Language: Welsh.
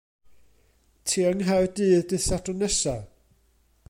Ti yng Nghaerdydd dydd Sadwrn nesa?